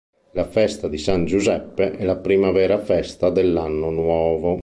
La festa di San Giuseppe è la prima vera festa dell'anno nuovo.